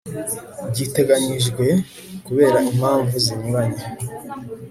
giteganyijwe kubera impamvu zinyuranye